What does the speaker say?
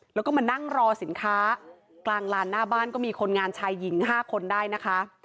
แล้วก็มานั่งรอสินค้ากลางลานหน้าบ้านก็มีคนงานชายหญิง๕คนได้นะคะ